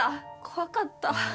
怖かった。